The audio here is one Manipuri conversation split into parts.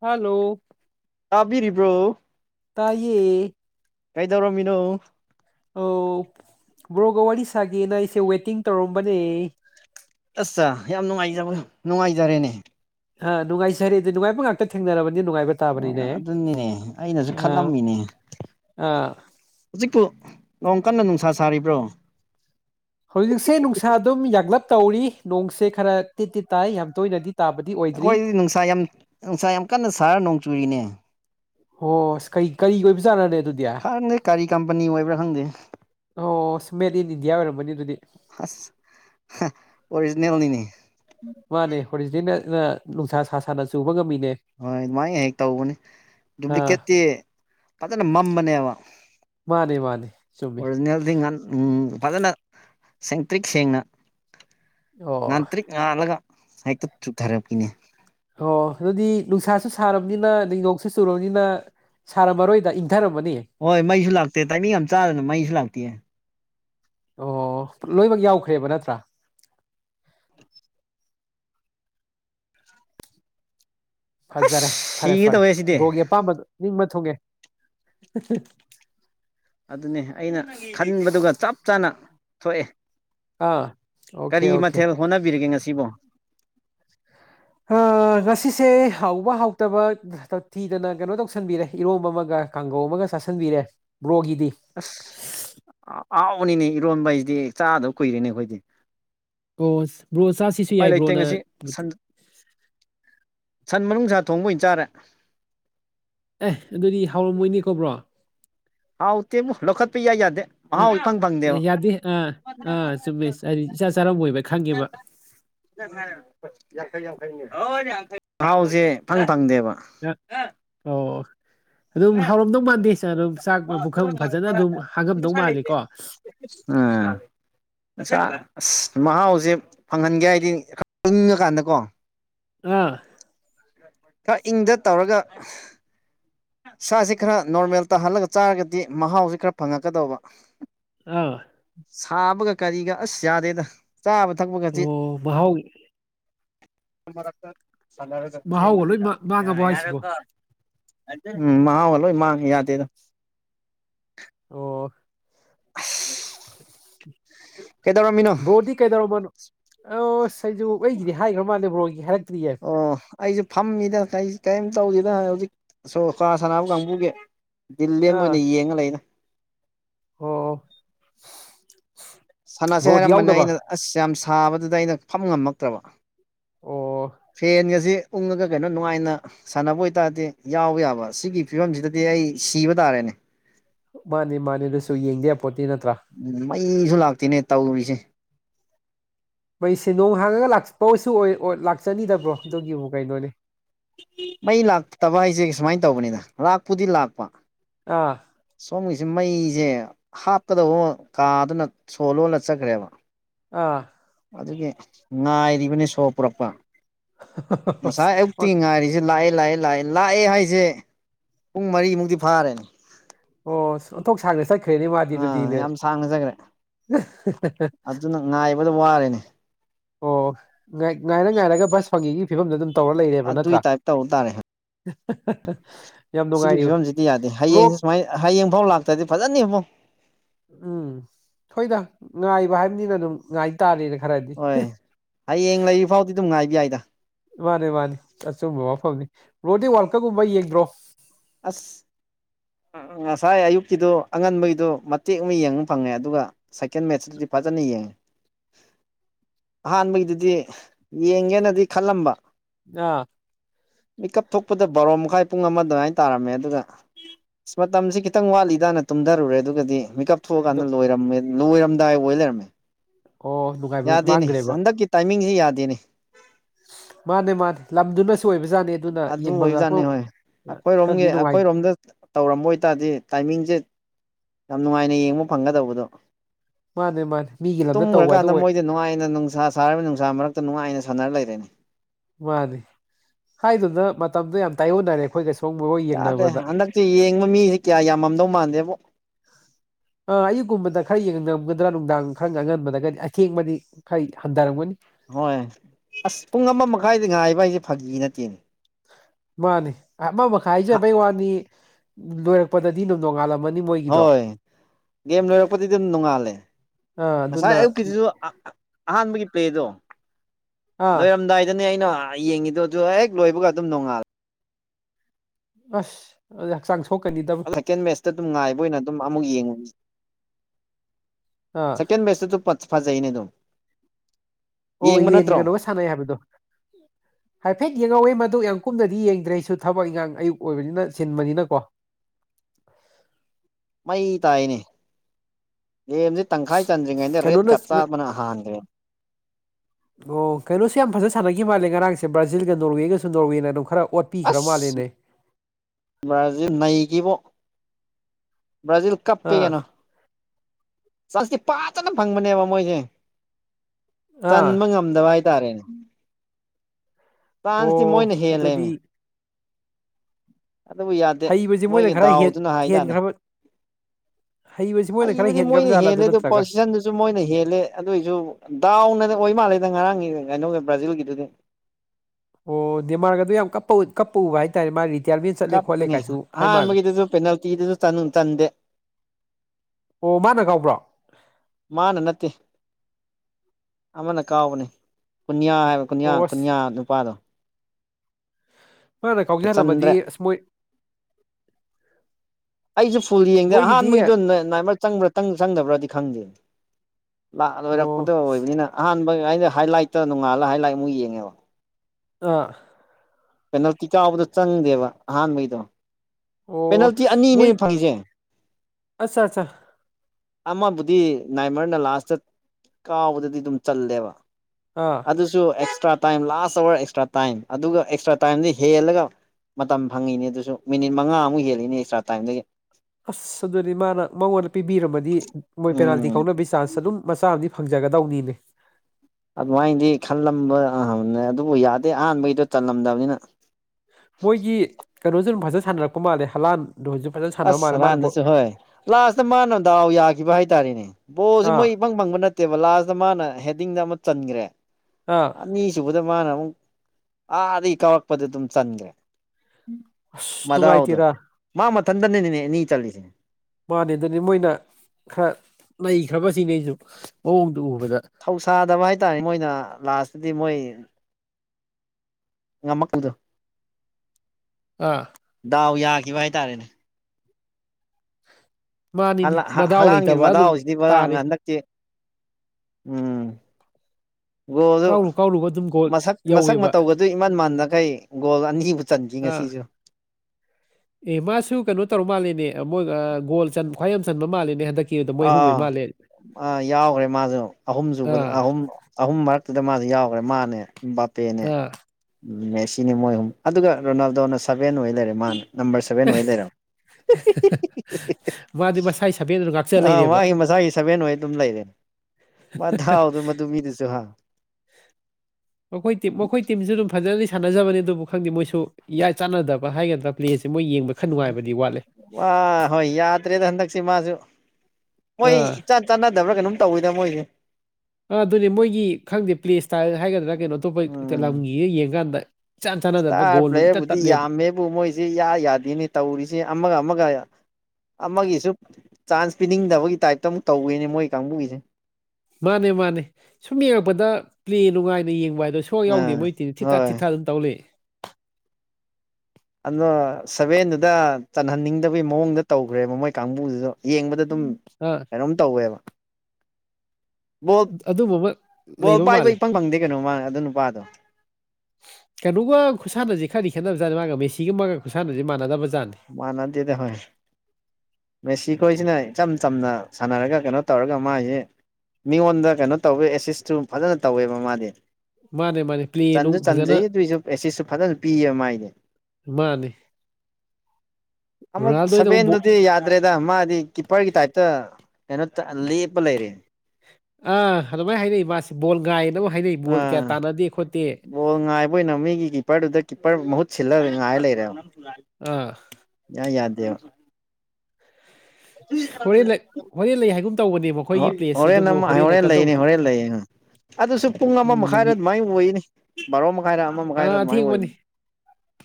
ꯍꯜꯂꯣ ꯇꯥꯕꯤꯔꯤꯕ꯭ꯔꯣ ꯇꯌꯦ ꯀꯩꯗꯧꯔꯣꯃꯤꯅꯣ ꯑꯣ ꯕ꯭ꯔꯣꯒ ꯋꯥꯔꯤ ꯁꯥꯒꯦꯅ ꯑꯩꯁꯦ ꯋꯦꯇꯤꯡ ꯇꯧꯔꯝꯕꯅꯦ ꯑꯠꯁ ꯌꯥꯝ ꯅꯨꯡꯉꯥꯏꯖꯕ ꯅꯨꯡꯉꯥꯏꯖꯔꯦꯅꯦ ꯑ ꯅꯨꯡꯉꯥꯏꯖꯔꯦ ꯑꯗꯨ ꯅꯨꯡꯉꯥꯏꯕ ꯉꯥꯛꯇ ꯊꯦꯡꯅꯔꯕꯅꯤ ꯅꯨꯡꯉꯥꯏꯕ ꯇꯥꯕꯅꯤꯅꯦ ꯑꯗꯨꯅꯤꯅꯦ ꯑꯩꯅꯁꯨ ꯑꯥ ꯈꯜꯂꯝꯃꯤꯅꯦ ꯑꯥ ꯍꯧꯖꯤꯛꯄꯨ ꯅꯣꯡ ꯀꯟꯅ ꯅꯨꯡꯁꯥ ꯁꯥꯔꯤꯕ꯭ꯔꯣ ꯍꯧꯖꯤꯛꯁꯦ ꯅꯨꯡꯁꯥ ꯑꯗꯨꯝ ꯌꯥꯛꯂꯞ ꯇꯧꯔꯤ ꯅꯣꯡꯁꯦ ꯈꯔ ꯇꯤꯠ ꯇꯤꯠ ꯇꯥꯏ ꯌꯥꯝ ꯇꯣꯏꯅꯗꯤ ꯇꯥꯕꯗꯤ ꯑꯣꯏꯗ꯭ꯔꯤ ꯑꯩꯈꯣꯏꯗꯤ ꯅꯨꯡꯁꯥ ꯌꯥꯝ ꯅꯨꯡꯁꯥ ꯌꯥꯝ ꯀꯟꯅ ꯁꯍꯔ ꯅꯣꯡ ꯆꯨꯔꯤꯅꯦ ꯑꯣ ꯀꯩ ꯀꯔꯤꯒꯤ ꯑꯣꯏꯕꯖꯥꯠꯅꯔꯦ ꯑꯗꯨꯗꯤ ꯈꯪꯗꯦ ꯀꯔꯤ ꯀꯝꯄꯅꯤ ꯑꯣꯏꯕ꯭ꯔꯥ ꯈꯪꯗꯦ ꯑꯣ ꯁꯃꯦꯠ ꯏꯟ ꯏꯟꯗꯤꯌꯥ ꯑꯣꯏꯔꯝꯅꯤ ꯑꯗꯨꯗꯤ ꯑꯁ ꯑꯣꯔꯤꯖꯤꯅꯦꯜꯅꯤꯅꯦ ꯃꯥꯅꯦ ꯑꯣꯔꯤꯒꯤꯅꯦꯜꯅ ꯅꯨꯡꯁꯥ ꯁꯥ ꯁꯅ ꯆꯨꯕ ꯉꯝꯃꯤꯅꯦ ꯍꯣꯏ ꯑꯗꯨꯃꯥꯏꯅ ꯍꯦꯛ ꯇꯧꯕꯅꯤ ꯑꯥ ꯗꯨꯄ꯭ꯂꯤꯀꯦꯠꯇꯤ ꯐꯖꯅ ꯃꯝꯕꯅꯦꯕ ꯃꯥꯅꯦ ꯃꯥꯅꯦ ꯆꯨꯝꯃꯤ ꯑꯣꯔꯤꯖꯤꯅꯦꯜꯗꯤ ꯉꯥꯟ ꯎꯝ ꯐꯖꯅ ꯁꯦꯡꯇ꯭ꯔꯤꯛ ꯁꯦꯡꯅ ꯑꯣ ꯉꯥꯇ꯭ꯔꯤꯛ ꯉꯥꯜꯂꯒ ꯍꯦꯛꯇ ꯆꯨꯞꯊꯔꯛꯄꯤꯅꯦ ꯑꯣ ꯑꯗꯨꯗꯤ ꯅꯨꯡꯁꯥꯁꯨ ꯁꯥꯔꯕꯅꯤꯅ ꯗꯤꯅꯣꯡꯁꯨ ꯆꯨꯔꯕꯅꯤꯅ ꯁꯥꯔꯝꯃꯔꯣꯏꯗ ꯏꯪꯊꯔꯝꯃꯅꯤ ꯍꯣꯏ ꯃꯩꯁꯨ ꯂꯥꯛꯇꯦ ꯇꯥꯏꯃꯤꯡ ꯌꯥꯝ ꯆꯥꯗꯅ ꯃꯩꯁꯨ ꯂꯥꯛꯇꯦ ꯑꯣ ꯂꯣꯏꯅꯃꯛ ꯌꯥꯎꯈ꯭ꯔꯦꯕ ꯅꯠꯇ꯭ꯔꯥ [inaudible] ꯑꯁ ꯐꯖꯔꯦ ꯐꯔꯦ ꯐꯔꯦ ꯁꯤꯒꯗꯧꯋꯦ ꯁꯤꯗꯤ ꯕ꯭ꯔꯣꯒꯤ ꯑꯄꯥꯝꯕꯗꯣ ꯅꯤꯡꯕ ꯊꯨꯡꯉꯦ ꯑꯗꯨꯅꯦ ꯑꯩꯅ ꯈꯟꯕꯗꯨꯒ ꯆꯞ ꯆꯥꯅ ꯊꯣꯛꯑꯦ ꯑꯥ ꯑꯣꯀꯦ ꯀꯔꯤ ꯑꯣꯀꯦ ꯃꯊꯦꯜ ꯍꯣꯠꯅꯕꯤꯔꯒꯦ ꯉꯁꯤꯕꯣ ꯑ ꯉꯁꯤꯁꯦ ꯍꯥꯎꯕ ꯍꯥꯎꯇꯕ [unintelligible] ꯊꯤꯗꯅ ꯀꯩꯅꯣ ꯇꯧꯁꯟꯕꯤꯔꯦ ꯏꯔꯣꯝ ꯑꯃꯒ ꯀꯥꯡꯒꯧ ꯑꯃꯒ ꯆꯥꯥꯁꯟꯕꯤꯔꯦ ꯕ꯭꯭ꯔꯣꯒꯤꯗꯤ ꯑꯁ ꯑꯍꯥꯎꯕꯅꯤꯅꯦ ꯏꯔꯣꯟꯕ ꯍꯥꯏꯁꯤꯗꯤ ꯆꯥꯗꯕ ꯀꯨꯏꯔꯦꯅꯦ ꯑꯩꯈꯣꯏꯗꯤ ꯑꯣ ꯕ꯭ꯔꯣ ꯆꯥꯁꯤꯁꯨ ꯎꯄꯥꯏ ꯌꯥꯏ ꯂꯩꯇꯦ ꯕ꯭ꯔꯣꯅ ꯉꯁꯤ ꯁꯟ ꯁꯟ ꯃꯅꯨꯡꯁ ꯊꯣꯡꯕ ꯑꯣꯏꯅ ꯆꯥꯔꯦ ꯑꯦ ꯑꯗꯨꯗꯤ ꯍꯥꯎꯔꯝꯃꯣꯏꯅꯦ ꯀꯣ ꯕ꯭ꯔꯣ ꯍꯥꯎꯇꯦꯗ ꯂꯧꯈꯠ ꯄ ꯏꯌꯥ ꯌꯥꯗꯦ ꯎꯝ ꯃꯍꯥꯎ ꯏꯐꯪ ꯐꯪꯗꯦꯕ ꯌꯥꯗꯦ ꯑꯥ ꯑꯥ ꯆꯨꯝꯃꯤ ꯍꯥꯏꯗꯤ ꯏꯆꯥ ꯆꯥꯔꯝꯃꯣꯏꯕ ꯈꯪꯉꯦꯕ [unintelligible] ꯃꯍꯥꯎꯁꯦ ꯏꯐꯪ ꯐꯪꯗꯦꯕ [unintelligible] ꯑꯣ ꯑꯗꯨꯝ ꯍꯥꯎꯔꯝꯗꯧ ꯃꯥꯥꯟꯗꯦ ꯑꯗꯨꯝ ꯆꯥꯛ ꯄꯨꯈꯝ ꯐꯖꯅ ꯑꯗꯨꯝ ꯍꯥꯡꯉꯝꯗꯧ ꯃꯥꯜꯂꯤꯀꯣ ꯎꯝ ꯑ ꯑꯁ ꯃꯍꯥꯎꯁꯦ ꯐꯪꯍꯟꯒꯦ ꯍꯥꯏꯗꯤ ꯈꯔ ꯏꯡꯉꯀꯥꯟꯗ ꯀꯣ ꯑꯥ ꯈꯔ ꯏꯪꯗ ꯇꯧꯔꯒ ꯏꯁꯥꯁꯤ ꯈꯔ ꯅꯣꯔꯃꯦꯜ ꯇꯥꯍꯜꯂꯒ ꯆꯥꯔꯒꯗꯤ ꯃꯍꯥꯎꯁꯤ ꯈꯔ ꯐꯪꯉꯛꯀꯗꯧꯕ ꯑꯥꯎ ꯁꯥꯕꯒ ꯀꯔꯤꯒ ꯑꯁ ꯌꯥꯗꯦꯗ ꯆꯥꯕ ꯊꯛꯄꯒ ꯑꯣ ꯃꯍꯥꯎ ꯃꯔꯛ ꯃꯔꯛꯇ ꯁꯥꯟꯅꯔꯒ ꯃꯍꯥꯎꯒ ꯆꯦꯟꯕꯗꯤ ꯂꯣꯏ ꯌꯥ ꯃꯥꯡꯉꯕꯣ ꯍꯥꯏꯁꯤꯕꯣ ꯌꯥꯔꯣꯏꯀꯣ ꯃꯍꯥꯎꯒ ꯂꯣꯏ ꯃꯥꯡꯉꯦ ꯌꯥꯗꯦꯗ ꯑꯣ [inaudible] ꯕ꯭ꯔꯣꯗꯤ ꯀꯩꯗꯧꯔꯝꯕꯅꯣ ꯑꯁ ꯑꯩꯖꯨ ꯑꯩꯒꯤꯗꯤ ꯍꯥꯏꯈ꯭ꯔ ꯃꯥꯜꯂꯦ ꯕ꯭ꯔꯣꯒꯤ ꯍꯥꯏꯔꯛꯇ꯭ꯔꯤꯌꯦ ꯑꯣ ꯑꯩꯁꯨꯦ ꯐꯝꯃꯤꯗ ꯀꯩ ꯀꯔꯤꯝ ꯇꯧꯗꯦꯗ ꯍꯧꯖꯤꯛ ꯁꯣꯛ ꯀ ꯁꯥꯟꯅꯕ ꯀꯥꯡꯕꯨꯒꯤ ꯗꯤꯜ ꯂꯦꯟꯕ ꯑꯥ ꯑꯣꯏꯅ ꯌꯦꯡꯉ ꯂꯩꯗ ꯑꯣ ꯁꯥꯟꯅꯁꯦ ꯕ꯭ꯔꯣꯗꯤ ꯍꯥꯏꯔꯝꯕꯅꯦ ꯌꯥꯎꯗꯕ ꯑꯩꯅ ꯑꯁ ꯌꯥꯝ ꯁꯥꯕꯗꯨꯗ ꯑꯩꯅ ꯐꯝ ꯉꯝꯃꯛꯇ꯭ꯔꯕ ꯑꯣ ꯐꯦꯟꯒꯁꯤ ꯎꯪꯉꯒ ꯀꯩꯅꯣ ꯅꯨꯡꯉꯥꯏꯅ ꯁꯥꯟꯅꯕ ꯑꯣꯏꯇꯥꯔꯗꯤ ꯌꯥꯎꯕ ꯌꯥꯕ ꯁꯤꯒꯤ ꯐꯤꯕꯝꯁꯤꯗꯗꯤ ꯑꯩ ꯁꯤꯕ ꯇꯥꯔꯦꯅꯦ ꯃꯥꯅꯦ ꯃꯥꯅꯦ ꯑꯗꯨꯁꯨ ꯌꯦꯡꯗ ꯌꯥꯄꯣꯟꯇꯦ ꯅꯠꯇ꯭ꯔꯥ ꯎꯝ ꯃꯩꯁꯨ ꯂꯥꯛꯇꯦꯅꯦ ꯇꯧꯔꯤꯁꯦ ꯃꯩꯁꯦ ꯅꯣꯡ ꯍꯥꯡꯉꯒ ꯂꯥꯛꯄ ꯑꯣꯏꯁꯨ ꯑꯣꯏ ꯂꯥꯛꯆꯅꯤꯗ ꯕ꯭ꯔꯣ ꯑꯗꯨꯒꯤꯕꯨ ꯀꯩꯅꯣꯅꯦ ꯃꯩ ꯂꯥꯛꯇꯕ ꯍꯥꯏꯁꯦ ꯁꯨꯃꯥꯏꯅ ꯇꯧꯕꯅꯤꯗ ꯂꯥꯛꯄꯨꯗꯤ ꯂꯥꯛꯄ ꯑꯥ ꯁꯣꯝꯒꯤꯁꯦ ꯃꯩꯁꯦ ꯍꯥꯞꯀꯗꯕ ꯀꯥꯗꯅ ꯁꯣ ꯂꯣꯜꯂ ꯆꯠꯈ꯭ꯔꯦꯕ ꯑꯥ ꯑꯗꯨꯒꯤ ꯉꯥꯏꯔꯤꯕꯅꯦ ꯁꯣ ꯄꯨꯔꯛꯄ ꯉꯁꯥꯏ ꯑꯌꯨꯛꯇꯩ ꯉꯥꯏꯔꯤꯁꯦ ꯂꯥꯛꯑꯦ ꯂꯥꯛꯑꯦ ꯂꯥꯛꯑꯦ ꯂꯥꯛꯑꯦ ꯍꯥꯏꯁꯦ ꯄꯨꯡ ꯃꯔꯤꯃꯨꯛꯇꯤ ꯐꯥꯔꯦꯅꯦ ꯑꯣ ꯑꯣꯟꯊꯣꯛ ꯁꯥꯡꯅ ꯆꯠꯈ꯭ꯔꯦꯅꯦ ꯃꯥꯗꯤ ꯑꯥ ꯑꯗꯨꯗꯤꯅꯦ ꯌꯥꯝ ꯁꯥꯡꯅ ꯆꯠꯈ꯭ꯔꯦ ꯑꯗꯨꯅ ꯉꯥꯏꯕꯗ ꯋꯥꯔꯦꯅꯦ ꯑꯣ ꯉꯥꯏ ꯉꯥꯏꯔ ꯉꯥꯏꯔꯒ ꯕꯁ ꯐꯪꯉꯦꯒꯤ ꯐꯤꯕꯝꯗ ꯑꯗꯨꯝ ꯇꯧꯔ ꯂꯩꯔꯦꯕ ꯅꯠꯇ꯭ꯔꯥ ꯑꯗꯨꯒꯤ ꯇꯥꯏꯞ ꯇꯧ ꯇꯥꯔꯦ [unintelligible] ꯁꯤꯒꯤ ꯐꯤꯕꯝꯁꯤꯗꯤ ꯌꯥꯗꯦ ꯔꯣꯛ ꯍꯌꯦꯡꯁꯦ ꯁꯨꯃꯥꯏꯅ ꯍꯌꯦꯡꯐꯥꯎ ꯂꯥꯛꯇ꯭ꯔꯗꯤ ꯐꯖꯅꯤꯕꯣ ꯎꯝ ꯍꯣꯏꯗꯥ ꯉꯥꯏꯕ ꯍꯥꯏꯕꯅꯤꯅ ꯑꯗꯨꯝ ꯉꯥꯏ ꯇꯥꯔꯦꯅ ꯈꯔꯗꯤ ꯍꯣꯏ ꯍꯌꯦꯡ ꯂꯩꯔꯤ ꯐꯥꯎꯗꯤ ꯑꯗꯨꯝ ꯉꯥꯏꯕ ꯌꯥꯏꯗ ꯃꯥꯅꯦ ꯃꯥꯅꯤ ꯑꯆꯨꯝꯕ ꯋꯥꯐꯝꯅꯤ ꯕ꯭ꯔꯣꯗꯤꯡ ꯋꯥꯔꯜꯀꯞꯀꯨꯝꯕ ꯌꯦꯡꯗ꯭ꯔꯣ ꯑꯁ ꯎꯝ ꯉꯁꯥꯏ ꯑꯌꯨꯛꯀꯤꯗꯣ ꯑꯉꯟꯕꯒꯤꯗꯣ ꯃꯇꯦꯛ ꯑꯃ ꯌꯦꯡꯕ ꯐꯪꯉꯦ ꯑꯗꯨꯒ ꯁꯥꯏꯀꯦꯟ ꯃꯦꯠꯁꯇꯨꯗꯤ ꯐꯖꯅ ꯌꯦꯡꯉꯦ [inaudible] ꯑꯍꯥꯟꯕꯒꯤꯗꯨꯗꯤ ꯌꯦꯡꯒꯦꯅꯗꯤ ꯈꯜꯂꯝꯕ ꯑ ꯃꯤꯀꯞ ꯊꯣꯛꯄꯗ ꯕꯥꯔꯣ ꯃꯈꯥꯏ ꯄꯨꯡ ꯑꯃ ꯑꯗꯨꯃꯥꯏꯟ ꯇꯥꯔꯝꯃꯦ ꯑꯗꯨꯅ ꯑꯁ ꯃꯇꯝꯁꯦ ꯈꯤꯇꯪ ꯋꯥꯠꯂꯤꯗꯥꯅ ꯇꯨꯝꯗꯔꯨꯔꯦ ꯑꯗꯨꯒꯗꯤ ꯃꯤꯀꯞ ꯑꯗꯨ ꯊꯣꯛꯑꯀꯥꯟꯗ ꯂꯣꯏꯔꯝꯃꯦ ꯂꯣꯏꯔꯝꯗꯥꯏ ꯑꯣꯏ ꯂꯩꯔꯝꯃꯦ ꯑꯣ ꯅꯨꯡꯉꯥꯏꯕ ꯌꯥꯗꯦꯅꯧ ꯃꯥꯡꯈ꯭ꯔꯦꯕ ꯍꯟꯗꯛꯀꯤ ꯇꯥꯏꯃꯤꯡꯁꯤ ꯌꯥꯗꯦꯅꯤ ꯃꯥꯅꯦ ꯃꯥꯅꯦ ꯂꯝꯗꯨꯅꯁꯨ ꯑꯣꯏꯕꯖꯥꯠꯅꯤ ꯑꯗꯨꯅ ꯑꯗꯨ ꯌꯦꯡꯐꯝ ꯑꯣꯏꯕꯖꯥꯠꯅꯤ ꯂꯥꯛꯐꯝ ꯍꯣꯏ ꯑꯩꯈꯣꯏꯔꯣꯝꯒꯤ ꯈꯔꯗꯤ ꯅꯨꯡꯉꯥꯏ ꯑꯩꯈꯣꯏꯔꯣꯝꯗ ꯇꯧꯔꯝꯕ ꯑꯣꯏꯇꯥꯔꯗꯤ ꯇꯥꯏꯃꯤꯡꯁꯦ ꯌꯥꯝ ꯅꯨꯡꯉꯥꯏꯅ ꯌꯦꯡꯕ ꯐꯪꯒꯗꯧꯕꯗꯣ ꯃꯥꯅꯦ ꯃꯥꯅꯦ ꯃꯤꯒꯤ ꯂꯝꯗ ꯇꯧꯕ ꯍꯥꯏꯗꯣ ꯇꯨꯝꯒ꯭ꯔꯀꯥꯟꯗ ꯑꯣꯏ ꯃꯣꯏꯗꯤ ꯅꯨꯡꯉꯥꯏꯅ ꯅꯨꯡꯁꯥ ꯁꯥꯔꯤꯕ ꯅꯨꯡꯁꯥ ꯃꯔꯛꯇ ꯅꯨꯡꯉꯥꯏꯅ ꯁꯥꯟꯅ ꯂꯩꯔꯦꯅꯦ ꯃꯥꯅꯦ ꯍꯥꯏꯒꯨꯝꯗꯅ ꯃꯇꯝꯗꯣ ꯌꯥꯝ ꯇꯥꯏꯌꯣꯟꯅꯔꯦ ꯑꯩꯈꯣꯏꯒꯁꯨ ꯌꯥꯗꯦ ꯍꯟꯗꯛꯇꯤ ꯌꯦꯡꯕ ꯃꯤꯖꯦ ꯀꯌꯥ ꯌꯥꯝꯃꯝꯗꯧ ꯃꯥꯟꯗꯦꯕꯣ ꯑꯥ ꯑꯌꯨꯛꯀꯨꯝꯕꯗ ꯈꯔ ꯌꯦꯡꯅꯔꯝꯒꯗ꯭ꯔꯥ ꯅꯨꯡꯗꯥꯡ ꯈꯔ ꯑꯉꯟꯕꯗꯒꯗꯤ ꯑꯈꯦꯡꯕꯗꯤ ꯈꯩ ꯍꯟꯊꯔꯝꯒꯅꯤ ꯍꯣꯏ ꯑꯁ ꯄꯨꯡ ꯑꯃ ꯃꯈꯥꯏꯗ ꯉꯥꯏꯕ ꯍꯥꯏꯁꯦ ꯐꯥꯒꯤ ꯅꯠꯇꯦꯅꯦ ꯃꯥꯅꯦ ꯑꯃ ꯃꯈꯥꯏ ꯍꯥꯏꯖꯕꯩ ꯋꯥꯅꯤ ꯂꯣꯏꯔꯛ ꯄꯗꯗꯤ ꯅꯨꯡ ꯅꯣꯡꯉꯥꯜꯂꯝꯃꯅꯤ ꯃꯣꯏꯒꯤꯗꯣ ꯍꯣꯏ ꯒꯦꯝ ꯂꯣꯏꯔꯛꯄꯗꯤ ꯑꯗꯨꯝ ꯅꯣꯡꯉꯥꯜꯂꯦ ꯑꯥ ꯉꯁꯥꯏ ꯑꯗꯨꯅ ꯑꯌꯨꯛꯀꯤꯗꯨꯁꯨ ꯑ ꯑꯍꯥꯟꯕꯒꯤ ꯄ꯭ꯂꯦꯗꯣ ꯑꯥ ꯂꯣꯏꯔꯝꯗꯥꯏꯗꯅꯦ ꯑꯩꯅ ꯌꯦꯡꯉꯤꯗꯣ ꯑꯗꯨ ꯍꯦꯛ ꯂꯣꯏꯕꯒ ꯑꯗꯨꯝ ꯅꯣꯡꯉꯥꯜꯂꯦ ꯑꯁ ꯑꯗꯨꯗꯤ ꯍꯛꯆꯥꯡ ꯁꯣꯛꯀꯅꯤꯗꯥ ꯑꯗꯨ ꯁꯦꯀꯦꯟ ꯃꯦꯠꯆꯇ ꯑꯗꯨꯝ ꯉꯥꯏꯕ ꯑꯣꯏꯅ ꯑꯗꯨꯝ ꯑꯃꯨꯛ ꯌꯦꯡꯉꯨꯅꯤ ꯑꯥ ꯁꯦꯀꯦꯟ ꯃꯦꯁꯁꯨ ꯑꯗꯨꯝ ꯐ ꯐꯖꯩꯅꯦꯗꯨꯝ ꯑꯣ ꯏꯪꯂꯦꯟꯒ ꯀꯩꯅꯣꯒ ꯁꯥꯟꯅꯩ ꯍꯥꯏꯕꯗꯣ ꯍꯥꯏꯐꯦꯠ ꯌꯦꯡꯉꯧꯋꯤ ꯃꯗꯨ ꯌꯥꯝ ꯀꯨꯝꯅꯗꯤ ꯌꯦꯡꯗ꯭ꯔꯦ ꯑꯩꯁꯨ ꯊꯕꯛ ꯏꯪꯈꯥꯡ ꯑꯌꯨꯛ ꯑꯣꯏꯕꯅꯤꯅ ꯆꯤꯟꯕꯅꯤꯅꯀꯣ ꯃꯩ ꯇꯥꯏꯅꯦ ꯒꯦꯝꯁꯦ ꯇꯪꯈꯥꯏ ꯆꯟꯗ꯭ꯔꯤꯉꯩꯗ ꯔꯦꯠ ꯀꯩꯅꯣꯅ ꯀꯥꯔꯠ ꯆꯥꯕꯅ ꯍꯥꯟꯒ꯭ꯔꯦ [inaudible] ꯑꯣ ꯀꯩꯅꯣꯁꯨ ꯌꯥꯝ ꯐꯖꯅ ꯁꯥꯟꯅꯒꯤ ꯃꯥꯜꯂꯦ ꯉꯔꯥꯡꯁꯦ ꯕ꯭ꯔꯥꯖꯤꯜꯒ ꯅꯣꯔꯋꯦꯒꯁꯨ ꯅꯣꯔꯋꯦꯅ ꯑꯗꯨꯝ ꯈꯔ ꯑꯣꯠ ꯄꯤꯈ꯭ꯔ ꯑꯁ ꯃꯥꯜꯂꯦꯅꯦ ꯕ꯭ꯔꯥꯖꯤꯜ ꯅꯩꯒꯤꯕꯣ ꯕ꯭ꯔꯥꯖꯤꯜ ꯀꯞꯄꯦ ꯑꯥ ꯀꯩꯅꯣ ꯆꯟꯁꯇꯤ ꯐꯖꯅ ꯐꯪꯕꯅꯦꯕ ꯃꯣꯏꯁꯦ ꯑꯥ ꯆꯟꯕ ꯉꯝ ꯉꯝꯗꯕ ꯍꯥꯏꯇꯥꯔꯦꯅꯦ ꯑꯣ ꯆꯥꯟꯁꯇꯤ ꯃꯣꯏꯅ ꯍꯦꯜꯂꯦꯃꯤ ꯑꯗꯨꯗꯤ ꯑꯗꯨꯕꯨ ꯌꯥꯗꯦ ꯍꯩꯕꯁꯦ ꯃꯣꯏꯅ ꯃꯣꯏꯒꯤ ꯈꯔ ꯍ‌ꯦꯟ ꯗꯥꯎꯗꯨꯅ ꯍꯥꯏꯇꯥꯔꯦ ꯍꯦꯟꯈ꯭ꯔꯕ ꯍꯩꯕꯁꯤ ꯃꯣꯏꯅ ꯈꯔ ꯍꯩꯕꯗꯤ ꯍꯦꯟꯈ꯭ꯔꯕ ꯃꯣꯏꯅ ꯖꯥꯠꯂꯥ ꯑꯗꯨ ꯍꯦꯜꯂꯦꯗ ꯅꯠꯇ꯭ꯔꯒ ꯄꯣꯁꯤꯁꯟ ꯃꯣꯏꯅ ꯍꯦꯜꯂꯦ ꯑꯗ‌ꯣꯏꯁꯨ ꯗꯥꯎꯅꯗꯤ ꯑꯣꯏ ꯃꯥꯜꯂꯦꯗ ꯉꯔꯥꯡꯒꯤ ꯀꯩꯅꯣꯒꯤ ꯕ꯭ꯔꯥꯖꯤꯜꯒꯤꯗꯨꯗꯤ ꯑꯣ ꯗꯦꯃꯥꯔꯒꯗꯨ ꯌꯥꯝ ꯀꯞꯄ ꯎꯏ ꯀꯞ ꯎꯕ ꯍꯥꯏꯇꯥꯔꯦ ꯃꯥ ꯔꯤꯇꯌꯔꯃꯦꯟ ꯆꯠꯂꯦ ꯈꯣꯠꯂꯦ ꯀꯞꯄꯅꯤ ꯀꯥꯏꯁꯨ ꯍꯥꯏ ꯃꯥꯜꯂꯦ ꯑꯍꯥꯟꯕꯒꯤꯗꯨꯁꯨ ꯄꯦꯅꯥꯜꯇꯤꯗꯨꯁꯨ ꯆꯟꯗꯦ ꯑꯣ ꯃꯥꯅ ꯀꯥꯎꯕ꯭ꯔꯣ ꯃꯥꯅ ꯅꯠꯇꯦ ꯑꯃꯅ ꯀꯥꯎꯕꯅꯦ ꯄꯨꯟꯌꯥ ꯍꯥꯏꯕ ꯀꯨꯟꯌꯥ ꯑꯣ ꯑꯁ ꯀꯨꯟꯌꯥ ꯅꯨꯄꯥꯗꯣ ꯃꯥꯅ ꯀꯥꯎꯖꯍꯜꯂꯝꯃꯗꯤ ꯆꯟꯗ꯭ꯔꯦ ꯑꯁ ꯃꯣꯏ ꯑꯩꯁꯨ ꯐꯨꯜ ꯌꯦꯡꯗꯦ ꯃꯣꯏꯒꯤꯗꯤ ꯑꯍꯥꯟꯕꯒꯤꯗꯣ ꯅꯥꯏꯃꯦꯔ ꯆꯪꯕ꯭ꯔꯥ ꯆꯪꯗꯕ꯭ꯔꯗꯤ ꯈꯪꯗꯦ ꯂ ꯑꯣ ꯂꯣꯏꯔꯛꯄꯗ ꯑꯣꯏꯕꯅꯤꯅ ꯑꯍꯥꯟꯕ ꯑꯩꯅ ꯍꯥꯏ ꯂꯥꯏꯠꯇ ꯅꯣꯡꯉꯥꯜꯂꯒ ꯍꯥꯏ ꯂꯥꯏꯠ ꯑꯃꯨꯛ ꯌꯦꯡꯉꯦꯕ ꯑꯥ ꯄꯦꯅꯥꯜꯇꯤ ꯀꯥꯎꯕꯗꯨ ꯆꯪꯗꯦꯕ ꯑꯍꯥꯟꯕꯩꯗꯣ ꯑꯣ ꯄꯦꯅꯥꯜꯇꯤ ꯑꯅꯤꯅꯦ ꯃꯣꯏ ꯐꯪꯉꯤꯁꯦ ꯑꯠꯆꯥ ꯑꯠꯆꯥ ꯑꯃꯕꯨꯗꯤ ꯅꯥꯏꯃꯔꯅ ꯂꯥꯁꯇ ꯀꯥꯎꯕꯗꯨꯗꯤ ꯑꯗꯨꯝ ꯆꯜꯂꯦꯕ ꯑꯥ ꯑꯗꯨꯁꯨ ꯑꯦꯛꯁꯇ꯭ꯔꯥ ꯇꯥꯏꯝ ꯂꯥꯁ ꯑꯋꯥꯔ ꯑꯦꯛꯁꯇ꯭ꯔꯥ ꯇꯥꯏꯝ ꯑꯗꯨꯒ ꯑꯦꯛꯁꯇ꯭ꯔꯥ ꯇꯥꯏꯝꯗꯤ ꯍꯦꯜꯂꯒ ꯃꯇꯝ ꯐꯪꯉꯤꯅꯦ ꯑꯗꯨꯁꯨ ꯃꯤꯅꯤꯠ ꯃꯉꯥ ꯑꯃꯨꯛ ꯍꯦꯜꯂꯤꯅꯦ ꯑꯦꯛꯁꯇ꯭ꯔꯥ ꯇꯥꯏꯝꯗꯒꯤ ꯑꯁ ꯑꯗꯨꯗꯤ ꯃꯥꯅ ꯃꯉꯣꯟꯗ ꯄꯤꯕꯤꯔꯝꯃꯗꯤ ꯃꯣꯏ ꯄꯦꯅꯥꯜꯇꯤ ꯎꯝ ꯀꯧꯅꯕꯒꯤ ꯆꯥꯟꯁ ꯑꯗꯨꯝ ꯃꯆꯥ ꯑꯃꯗꯤ ꯐꯪꯖꯒꯗꯧꯅꯦꯃꯤ ꯑꯗꯨꯃꯥꯏꯅꯗꯤ ꯈꯜꯂꯝꯕꯅꯦ ꯑꯗꯨꯕꯨ ꯌꯥꯗꯦ ꯑꯍꯥꯟꯕꯒꯤꯗꯣ ꯆꯜꯂꯝꯗꯕꯅꯤꯅ ꯃꯣꯏꯒꯤ ꯀꯩꯅꯣꯁꯨ ꯑꯗꯨꯝ ꯐꯖꯅ ꯁꯥꯟꯅꯔꯛꯄ ꯃꯥꯜꯂꯦ ꯍꯂꯥꯟ [unintelligible] ꯑꯁ ꯍꯂꯥꯟꯗꯁꯨ ꯍꯣꯏ ꯂꯥꯁꯇ ꯃꯥꯅ ꯗꯥꯎ ꯌꯥꯈꯤꯕ ꯍꯥꯏꯇꯥꯔꯦꯅꯦ ꯕꯣꯜꯁꯨ ꯑꯥ ꯃꯣꯏ ꯪ ꯐꯪꯕ ꯅꯠꯇꯦꯕ ꯂꯥꯁꯇ ꯃꯥꯅ ꯍꯦꯗꯤꯡꯗ ꯑꯃ ꯆꯟꯈ꯭ꯔꯦ ꯑꯥ ꯑꯅꯤꯁꯨꯕꯗ ꯃꯥꯅ ꯑꯃꯨꯛ ꯑꯥꯗꯒꯤ ꯀꯥꯎꯔꯛꯄꯗ ꯑꯗꯨꯝ ꯆꯟꯈ꯭ꯔꯦ ꯑꯁ ꯃꯗꯥꯎꯗꯣ ꯅꯨꯡꯉꯥꯏꯇꯦꯗ ꯃꯥ ꯃꯊꯟꯗꯅꯅꯦ ꯑꯅꯤ ꯆꯜꯂꯤꯖ‌ꯦ ꯃꯥꯅꯦ ꯑꯗꯨꯅꯦ ꯃꯣꯏꯅ ꯈꯔ ꯅꯩꯈ꯭ꯔꯕꯁꯤꯡꯅꯦ ꯑꯩꯁꯨ ꯃꯑꯣꯡꯗꯨ ꯎꯕꯗ ꯊꯧꯁꯥꯗꯕ ꯍꯥꯏꯇꯥꯔꯦ ꯃꯣꯏꯅ ꯂꯥꯁꯇꯗꯤ ꯃꯣꯏ ꯉꯝꯃꯛꯄꯗꯣ ꯑꯥ ꯗꯥꯎ ꯌꯥꯈꯤꯕ ꯍꯥꯏꯇꯥꯔꯦꯅꯦ ꯃꯥꯅꯤꯅꯦ ꯍꯥꯂꯥ ꯃꯗꯥꯎ ꯍꯂꯥꯟꯒꯤ ꯂꯩꯇꯕ ꯑꯗꯨꯝ ꯃꯗꯥꯎꯁꯤꯗꯤ ꯄ‌ꯣꯔꯥ ꯇꯥꯔꯦ ꯍꯟꯗꯛ ꯎꯝ ꯒꯣꯜꯁꯨ ꯀꯥꯎꯔꯨ ꯀꯥꯎꯔꯨꯕ ꯑꯗꯨꯝ ꯒꯣꯜ ꯃꯁꯛ ꯃꯁꯛ ꯌꯧꯋꯦꯕ ꯃꯇꯧꯒꯗꯨ ꯏꯃꯥꯟ ꯃꯥꯟꯅꯈꯩ ꯒꯣꯜ ꯑꯅꯤꯕꯨ ꯆꯟꯈꯤ ꯑꯥ ꯉꯁꯤꯁꯨ ꯑꯦ ꯃꯥꯁꯨ ꯀꯩꯅꯣ ꯇꯧꯔ ꯃꯥꯜꯂꯦꯅꯦ ꯃꯣꯏ ꯒꯣꯜ ꯈ꯭ꯋꯥꯏ ꯌꯥꯝ ꯆꯟꯕ ꯃꯥꯜꯂꯦꯅꯦ ꯍꯟꯗꯛꯀꯤ ꯑꯥ ꯑꯥ ꯌꯥꯎꯈ꯭ꯔꯦ ꯃꯥꯁꯨ ꯑꯍꯨꯝꯁꯨꯨꯕꯗ ꯑꯥ ꯑꯍꯨꯝ ꯑꯍꯨꯝ ꯃꯔꯛꯇꯨꯗ ꯃꯥꯁꯨ ꯌꯥꯎꯈ꯭ꯔꯦ ꯃꯥꯅꯦ ꯕꯥꯄꯦꯅꯦ ꯑꯥ ꯎꯝ ꯃꯦꯁꯤꯅꯤ ꯃꯣꯏ ꯑꯍꯨꯝ ꯑꯗꯨꯒ ꯔꯣꯅꯥꯜꯗꯣꯅ ꯁꯚꯦꯟ ꯑꯣꯏ ꯂꯩꯔꯦ ꯃꯥꯅ ꯅꯝꯕꯔ ꯁꯚꯦꯟ ꯑꯣꯏ ꯂꯩꯔꯕ ꯍꯤ ꯍꯤ ꯍꯤ ꯃꯥꯗꯤ ꯃꯁꯥꯏ ꯁꯕꯦꯟ ꯑꯗꯨꯝ ꯉꯥꯛꯆ ꯑꯥ ꯂꯩꯔꯦꯕ ꯃꯥꯒꯤ ꯃꯁꯥꯒꯤ ꯁꯕꯦꯟ ꯑꯣꯏ ꯑꯗꯨꯝ ꯂꯩꯔꯦ ꯃꯊꯥꯎꯗꯣ ꯃꯗꯨ ꯃꯤꯗꯨꯁꯨ ꯍꯥ ꯑꯈꯣꯏ ꯇꯤꯝ ꯃꯈꯣꯏ ꯇꯤꯝꯁꯨ ꯑꯗꯨꯝ ꯐꯖꯅꯗꯤ ꯁꯥꯟꯅꯖꯕꯅꯦ ꯑꯗꯨꯕꯨ ꯈꯪꯗꯦ ꯃꯣꯏꯁꯨ ꯏꯌꯥ ꯆꯥꯟꯅꯗꯕ ꯍꯥꯏꯒꯗ꯭ꯔꯥ ꯄ꯭ꯂꯦꯁꯦ ꯃꯣꯏ ꯌꯦꯡ ꯋꯥ ꯍꯣꯏ ꯌꯥꯗ꯭ꯔꯦꯗ ꯍꯟꯗꯛꯁꯤ ꯃꯥꯁꯨ ꯃꯣꯏ ꯑꯥ ꯏꯆꯥꯟ ꯆꯥꯟꯅꯗꯕ꯭ꯔꯥ ꯀꯩꯅꯣꯝ ꯇꯧꯋꯤꯗ ꯃꯣꯏꯁꯦ ꯑꯥ ꯑꯗꯨꯅꯦ ꯃꯣꯏꯒꯤ ꯈꯪꯗꯦ ꯄ꯭ꯂꯦ ꯁ꯭ꯇꯥꯏꯜ ꯍꯥꯏꯒꯗ꯭ꯔꯥ ꯀꯩꯅꯣ ꯑꯇꯣꯞꯄ ꯎꯝ ꯂꯝꯒꯤꯒ ꯍꯦꯛ ꯌꯦꯡꯀꯥꯟꯗ ꯏꯆꯥꯟ ꯆꯥꯟꯅꯗꯕ ꯒꯣꯜ ꯅꯨꯡ ꯏꯇꯠ ꯇꯠꯂꯦꯕ ꯑꯗꯨꯕꯨ ꯃꯣꯏꯁꯤ ꯏꯌꯥ ꯌꯥꯗꯦꯅꯦ ꯇꯧꯔꯤꯁꯤ ꯑꯃꯒ ꯑꯃꯒ ꯑꯃꯒꯤꯁꯨ ꯆꯥꯟꯁ ꯄꯤꯅꯤꯡꯗꯕꯒꯤ ꯇꯥꯏꯞꯇ ꯑꯃꯨꯛ ꯇꯧꯋꯦꯅꯦ ꯃꯣꯏ ꯀꯥꯡꯕꯨꯒꯤꯁꯦ ꯃꯥꯅꯦ ꯃꯥꯅꯦ ꯁꯨꯝ ꯌꯦꯡꯉꯛꯄꯗ ꯄ꯭ꯂꯦ ꯅꯨꯡꯉꯥꯏꯅ ꯌꯦꯡꯕ ꯍꯥꯏꯗꯣ ꯁꯣꯛ ꯌꯥꯎꯗꯦ ꯑꯥ ꯃꯣꯏ ꯇꯤꯝꯖꯦ ꯊꯤꯠ ꯊꯥꯠ ꯍꯣꯏ ꯊꯤꯠ ꯊꯥ ꯑꯗꯨꯝ ꯇꯧ ꯂꯩ ꯑꯗꯣ ꯁꯚꯦꯟꯗꯨꯗ ꯆꯜꯍꯟꯅꯤꯡꯗꯕꯒꯤ ꯃꯑꯣꯡꯗ ꯇꯧꯈ꯭ꯔꯦꯕ ꯃꯣꯏ ꯀꯥꯡꯕꯨꯗꯨꯁꯨ ꯌꯦꯡꯕꯗ ꯑꯗꯨꯝ ꯑ ꯀꯩꯅꯣꯝ ꯇꯧꯋꯦꯕ ꯕꯣꯜ ꯑꯗꯨꯝꯕ ꯑꯃ ꯕꯣꯜ ꯂꯩꯕ ꯄꯥꯏꯕ ꯃꯥꯜꯂꯦ ꯏꯐꯪ ꯐꯪꯗꯦ ꯀꯩꯅꯣꯃꯥ ꯑꯗꯨ ꯅꯨꯄꯥꯗꯣ ꯀꯩꯅꯣꯒ ꯈꯨꯠꯁꯥꯟꯅꯁꯤ ꯈꯔꯗꯤ ꯈꯦꯠꯅꯕꯖꯥꯠꯅꯤ ꯃꯥꯒ ꯃꯦꯁꯤꯒ ꯃꯥꯒ ꯈꯨꯠꯁꯥꯟꯅꯁꯤ ꯃꯥꯟꯅꯗꯕ ꯖꯥꯠꯅꯤ ꯃꯥꯟꯅꯗꯦꯗ ꯍꯣꯏ ꯃꯦꯁꯤ ꯈꯣꯏꯁꯤꯅ ꯏꯆꯝ ꯆꯝꯅ ꯁꯥꯟꯅꯔꯒ ꯀꯩꯅꯣ ꯇꯧꯔꯒ ꯃꯥꯥꯏꯁꯤ ꯃꯤꯉꯣꯟꯗ ꯀꯩꯅꯣ ꯇꯧꯋꯦ ꯑꯦꯁꯤꯁꯇꯨ ꯐꯖꯅ ꯇꯧꯋꯦꯕ ꯃꯥꯗꯤ ꯃꯥꯅꯦ ꯃꯥꯅꯦ ꯄ꯭ꯂꯦ ꯆꯟꯁꯨ ꯅꯨꯡ ꯐꯖꯅ ꯆꯟꯖꯩ ꯑꯗꯨꯏꯁꯨ ꯑꯦꯁꯤꯁꯨ ꯐꯖꯅ ꯄꯤꯌꯦ ꯃꯥꯏꯗꯤ ꯃꯥꯅꯤ ꯑꯃ ꯑꯃꯨꯛ ꯕꯣ ꯁꯕꯦꯟꯗꯨꯗꯤ ꯌꯥ [unintelligible] ꯃꯥꯗꯤ ꯀꯤꯞꯄꯔꯒꯤ ꯇꯥꯏꯞꯇ ꯀꯩꯅꯣ ꯇ ꯂꯦꯞꯄ ꯂꯩꯔꯦ ꯑꯥ ꯑꯗꯨꯃꯥꯏꯅ ꯍꯥꯏꯅꯩ ꯃꯥꯁꯤ ꯕꯣꯜ ꯉꯥꯏꯌꯦꯅ ꯑꯃ ꯍꯥꯏꯅꯩ ꯕꯣꯜ ꯀꯌꯥ ꯑꯥ ꯇꯥꯟꯅꯗꯦ ꯈꯣꯠꯇꯦ ꯕꯣꯜ ꯉꯥꯏꯕ ꯑꯣꯏꯅ ꯃꯤꯒꯤ ꯀꯤꯞꯄꯔꯗꯨꯗ ꯀꯤꯞꯄꯔ ꯃꯍꯨꯠ ꯁꯤꯜꯂ ꯉꯥꯏꯔ ꯂꯩꯔꯦꯕ ꯑꯥ ꯏꯌꯥ ꯌꯥꯗꯦꯕ ꯍꯣꯔꯦꯟ ꯂꯩ ꯍꯣꯔꯦꯟ ꯂꯩ ꯍꯥꯏꯒꯨꯝ ꯇꯧꯕꯅꯦ ꯃꯈꯣꯏꯒꯤ ꯍꯣ ꯄ꯭ꯂꯦꯁꯦ ꯑꯗꯨꯕꯨ ꯍꯣꯔꯦꯟꯅꯃ ꯍꯣꯔꯦꯟꯅ ꯍꯣꯔꯦꯟ ꯀꯝꯗꯧ ꯂꯩꯒꯅꯤ ꯍꯣꯔꯦꯟ ꯂꯩꯌꯦ ꯑꯗꯨꯁꯨ ꯄꯨꯡ ꯑꯃ ꯎꯝ ꯃꯈꯥꯏꯔ ꯅꯪꯒꯤ ꯑꯗꯨꯃꯥꯏꯅ ꯑꯣꯏꯌꯦꯅꯦ ꯕꯥꯔꯣ ꯃꯈꯥꯏꯔ ꯑꯃ ꯃꯈꯥꯏꯔ ꯑꯥ ꯑꯗꯨꯃꯥꯏꯅ ꯑꯣꯏꯕꯅꯤ ꯑꯊꯦꯡꯕꯅꯤ [inaudible]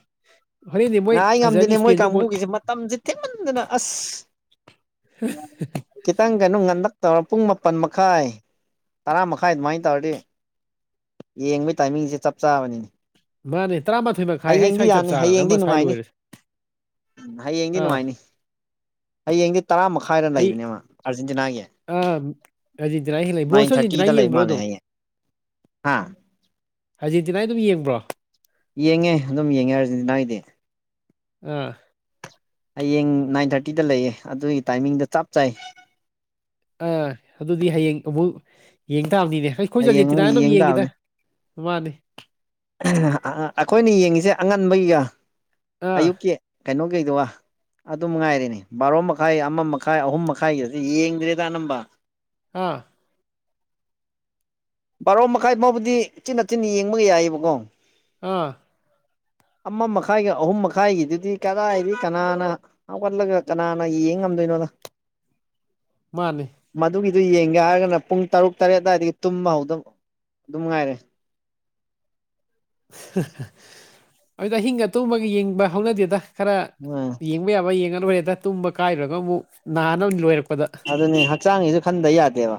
ꯍꯣꯔꯦꯟꯗꯤ ꯃꯣꯏ ꯉꯥꯏ ꯐꯖꯅꯤ ꯉꯝꯗꯦꯅꯦ ꯃꯣꯏ ꯏꯁꯄꯦꯟꯁꯨ ꯕꯣꯜ ꯀꯥꯡꯕꯨꯒꯤꯁꯦ ꯃꯇꯝꯖꯤ ꯊꯦꯡꯃꯟꯗꯅ ꯑꯁ ꯈꯤꯇꯪ ꯀꯩꯅꯣ ꯉꯟꯂꯛ ꯇꯧꯔ ꯄꯨꯡ ꯃꯥꯄꯟ ꯃꯈꯥꯏ ꯇꯔꯥ ꯃꯈꯥꯏ ꯑꯗꯨꯃꯥꯏꯅ ꯇꯧꯔꯗꯤ ꯌꯦꯡꯕꯩ ꯇꯥꯏꯃꯤꯡꯁꯦ ꯆꯞ ꯆꯥꯕꯅꯤꯅꯦ ꯃꯥꯅꯦ ꯇꯔꯥꯃꯥꯊꯣꯏ ꯃꯈꯥꯏ ꯍꯥꯏ ꯁ꯭ꯋꯥꯏ ꯍꯌꯦꯡꯗꯤ ꯆꯞ ꯆꯥꯔꯕꯅꯦ ꯑꯃ ꯁ꯭ꯋꯥꯏ ꯂꯣꯏꯔꯁꯨ ꯎꯝ ꯍꯌꯦꯡꯗꯤ ꯅꯨꯡꯉꯥꯏꯅꯤ ꯍꯌꯦꯡꯗꯤ ꯇꯔꯥ ꯃꯈꯥꯏꯗ ꯍꯩ ꯂꯩꯕꯅꯦꯕ ꯑꯥꯔꯖꯦꯟꯇꯤꯅꯥꯒꯤ ꯑꯥ ꯑꯔꯖꯦꯟꯇꯤꯅꯥꯒꯤ ꯍꯌꯦꯡ ꯂꯩ ꯅꯥꯏꯟ ꯕ꯭ꯔꯣꯁꯨ ꯊꯥꯔꯇꯤꯗ ꯑꯔꯖꯦꯟꯇꯤꯅꯥꯒꯤ ꯂꯩꯕ ꯌꯦꯡꯕ꯭ꯔꯣ ꯃꯥꯜꯂꯦ ꯑꯗꯨꯝ ꯍꯌꯦꯡ ꯍꯥ ꯑꯔꯖꯦꯟꯇꯤꯅꯥꯏ ꯑꯗꯨꯝ ꯌꯦꯡꯕ꯭ꯔꯣ ꯌꯦꯡꯉꯦ ꯑꯗꯨꯝ ꯌꯦꯡꯉꯦ ꯑꯔꯖꯦꯟꯇꯤꯅꯥꯒꯤꯗꯤ ꯑꯥ ꯍꯌꯦꯡ ꯅꯥꯏꯟ ꯊꯥꯔꯇꯤꯗ ꯂꯩꯌꯦ ꯑꯗꯨꯒꯤ ꯇꯥꯏꯃꯤꯡꯗꯣ ꯆꯞ ꯆꯥꯏ ꯑꯥ ꯑꯗꯨꯗꯤ ꯍꯌꯦꯡ ꯑꯃꯨꯛ ꯌꯦꯡ ꯇꯥꯕꯅꯤꯅꯦ ꯑꯩꯈꯣꯏꯁꯨ ꯍꯌꯦꯡ ꯑꯃꯨꯛ ꯑꯔꯖꯦꯟꯇꯤꯅꯥꯒꯤ ꯑꯗꯨꯝ ꯌꯦꯡ ꯌꯦꯡꯉꯤꯗ ꯃꯥꯅꯤ ꯑꯑ ꯑꯩꯈꯣꯏꯅ ꯌꯦꯡꯉꯤꯁꯦ ꯑꯉꯟꯕꯩꯒ ꯑꯥ ꯑꯌꯨꯛꯀꯤ ꯀꯩꯅꯣ ꯀꯩꯗꯨꯒ ꯑꯗꯨꯝ ꯉꯥꯏꯔꯤꯅꯦ ꯕꯥꯔꯣ ꯃꯈꯥꯏ ꯑꯃ ꯃꯈꯥꯏ ꯑꯍꯨꯝ ꯃꯈꯥꯏꯒꯤꯁꯨ ꯌꯦꯡꯗ꯭ꯔꯦꯗ ꯑꯅꯝꯕ ꯑꯥ ꯕꯥꯔꯣ ꯃꯈꯥꯏ ꯐꯥꯎꯕꯨꯗꯤ ꯆꯤꯟꯅꯆꯤꯟꯅ ꯌꯦꯡꯕ ꯌꯥꯏꯑꯕꯀꯣ ꯑꯥ ꯑꯃ ꯃꯈꯥꯏꯒ ꯑꯍꯨꯝ ꯃꯈꯥꯏꯒꯤꯗꯨꯗꯤ ꯀꯗꯥꯏꯗꯩ ꯀꯅꯥꯅ ꯍꯧꯒꯠꯂꯒ ꯀꯅꯥꯅ ꯌꯦꯡ ꯉꯝꯗꯣꯏꯅꯣꯗ ꯃꯥꯅꯤ ꯃꯗꯨꯒꯤꯗꯨ ꯌꯦꯡꯒꯦ ꯍꯥꯏꯔꯒꯅ ꯄꯨꯡ ꯇꯔꯨꯛ ꯇꯔꯦꯠ ꯑꯗꯨꯋꯥꯏꯗꯒꯤ ꯇꯨꯝꯕ ꯍꯧꯗ ꯑꯗꯨꯝ ꯉꯥꯏꯔꯦ ꯑꯗꯨꯗ ꯑꯍꯤꯡꯒ ꯑꯇꯨꯝꯕꯒ ꯌꯦꯡꯕ ꯍꯧꯅꯗꯦꯗ ꯈꯔ ꯎꯝ ꯌꯦ ꯌ‌ꯦꯡꯕ ꯌꯥꯕ ꯌꯦꯡꯉ ꯂꯣꯏꯔꯦꯗ ꯇꯨꯝꯕ ꯀꯥꯏꯔꯨꯔꯒ ꯑꯃꯨꯛ ꯅꯥꯅꯕꯅꯤ ꯂꯣꯏꯔꯛꯄꯗ ꯑꯗꯨꯅꯤ ꯍꯛꯆꯥꯡꯒꯤꯁꯨ ꯈꯟꯗ ꯌꯥꯗꯦꯕ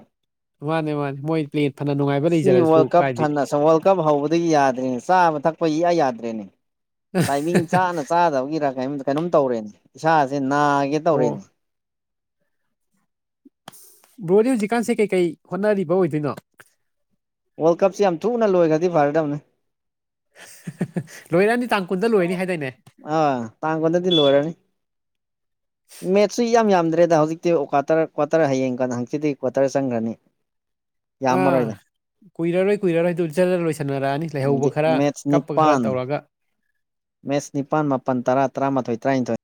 ꯃꯥꯅꯦ ꯃꯥꯅꯦ ꯃꯣꯏ ꯄ꯭ꯂ‌ꯦ ꯐꯅ ꯅꯨꯡꯉꯥꯏꯕ ꯁꯤ ꯂꯩꯖꯔꯁꯨ ꯋꯥꯔꯜ ꯀꯞ ꯀꯥꯏꯗꯤ ꯊꯅꯁ ꯋꯥꯔꯜ ꯀꯞ ꯍꯧꯕꯗꯒꯤ ꯌꯥꯗ꯭ꯔꯦꯅꯦ ꯆꯥꯕ ꯊꯛꯄ ꯏꯌꯥ ꯌꯥꯗ꯭ꯔꯦꯅꯦ ꯇꯥꯏꯃꯤꯡ ꯆꯥꯅ ꯆꯥꯗꯕꯒꯤꯔ ꯀꯩ ꯀꯩꯅꯣꯝ ꯇꯧꯔꯦꯅꯦ ꯏꯁꯥꯁꯦ ꯅꯥꯒꯦ ꯑꯣ ꯇꯧꯔꯦꯅꯦ ꯕ꯭ꯔꯣꯗꯤ ꯍꯧꯖꯤꯛꯀꯥꯟꯁꯦ ꯀꯩꯀꯩ ꯍꯣꯠꯅꯔꯤꯕ ꯑꯣꯏꯗꯣꯏꯅꯣ ꯋꯥꯔꯜ ꯀꯞꯁꯤ ꯌꯥꯝ ꯊꯨꯅ ꯂꯣꯏꯈ꯭ꯔꯗꯤ ꯐꯔ ꯗꯝꯅꯦ ꯂꯣꯏꯔꯛꯑꯅꯤ ꯇꯥꯡ ꯀꯨꯟꯗ ꯂꯣꯏꯅꯤ ꯍꯥꯏꯗꯥꯏꯅꯦ ꯑ ꯇꯥꯡ ꯀꯨꯟꯗꯗꯤ ꯂ‌ꯣꯏꯔꯅꯤ [inaudible] ꯃꯦꯠꯁꯨ ꯏꯌꯥꯝ ꯌꯥꯝꯗ꯭ꯔꯦꯗ ꯍꯧꯖꯤꯛꯇꯤ ꯀ꯭ꯋꯥꯇꯔ ꯀ꯭ꯋꯥꯇꯔ ꯍꯌꯦꯡ ꯀꯥꯟ ꯍꯪꯆꯤ ꯀ꯭ꯋꯥꯇꯔ ꯆꯪꯈ꯭ꯔꯅꯤ ꯌꯥꯝ ꯃꯔ‌ꯣꯏꯗ ꯑꯥ ꯀꯨꯏꯔꯔꯣꯏ ꯀꯨꯏꯔꯔꯣꯏ ꯑꯗꯨ ꯖꫪꯥ ꯂꯣꯏꯁꯟꯅꯔꯛꯑꯅꯤ ꯂꯩꯍꯧꯕ ꯈꯔ ꯃꯦꯠꯁ ꯀꯞꯄ ꯈꯔ ꯇꯧꯔꯒ ꯃꯦꯁ ꯅꯤꯄꯥꯥꯟ ꯃꯥꯄꯟ ꯇꯔꯥ ꯇꯔꯥꯃꯥꯊꯣꯏ ꯇꯔꯥꯅꯤꯊꯣꯏ